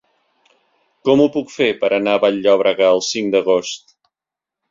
Com ho puc fer per anar a Vall-llobrega el cinc d'agost?